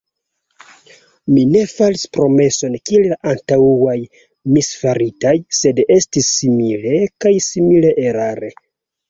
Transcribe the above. Mi ne faris promeson kiel la antaŭaj misfaritaj; sed estis simile, kaj simile erare.